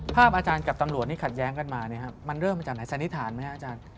อาจารย์กับตำรวจที่ขัดแย้งกันมามันเริ่มมาจากไหนสันนิษฐานไหมครับอาจารย์